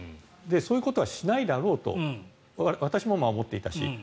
そういうことはしないだろうと私も思っていたし